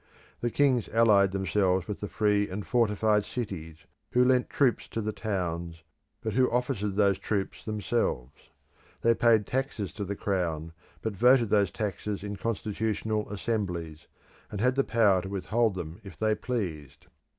The kings allied themselves with the free and fortified cities, who lent troops to the crown, but who officered those troops themselves; who paid taxes to the crown, but who voted those taxes in constitutional assemblies, and had the power to withhold them if they pleased.